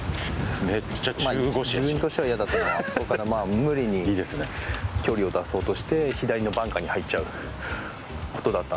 まあ自分としてはイヤだったのはあそこから無理に距離を出そうとして左のバンカーに入っちゃう事だったので。